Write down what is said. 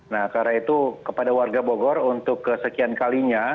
nah karena itu kepada warga bogor untuk kesekian kalinya